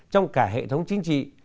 trong cả hệ thống chính trị